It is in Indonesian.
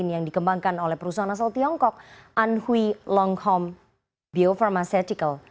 yang dikembangkan oleh perusahaan asal tiongkok anhui longhong biopharmaceutical